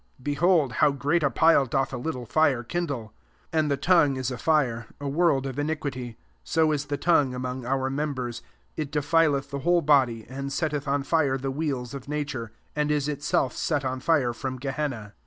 Behold, how great a pile doth a little fire kindle ! 6 And the tongue t> a fire, a world of iniquity :[•©] is the tongue among our members, it defileth the whol^ body, and setteth on fire the wheels of nature; and t> tV«tf//*set on fire from gehenna.